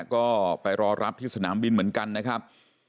ก็ไปรอรับที่สนามบินเหมือนกันนะครับ